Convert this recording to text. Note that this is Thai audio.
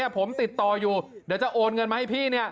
ผมติดต่ออยู่เดี๋ยวจะโอนเงินมาให้พี่